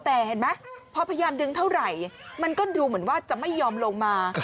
แต่เห็นไหมพอพยายามดึงเท่าไหร่มันก็ดูเหมือนว่าจะไม่ยอมลงมา